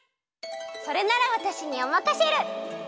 それならわたしにおまかシェル！